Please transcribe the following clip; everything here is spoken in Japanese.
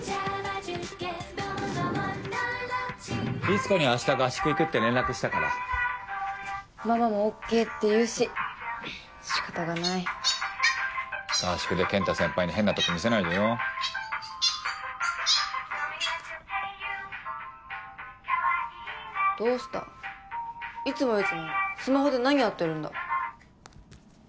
律子に明日合宿行くって連絡したからママもＯＫって言うし仕方がない合宿で健太先輩に変なとこ見せないでよどうしたいつもいつもスマホで何やってるんだ？